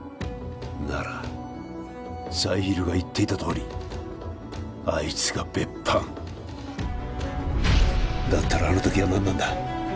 ならザイールが言っていたとおりあいつが別班だったらあの時は何なんだ